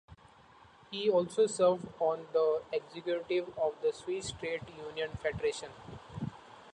He also served on the executive of the Swiss Trade Union Federation.